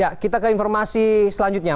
ya kita ke informasi selanjutnya